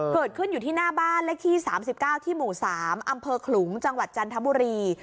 เกิดขึ้นอยู่ที่หน้าบ้านเลขที่๓๙ที่หมู่๓อำเภอขลุงจังหวัดจันทบุรี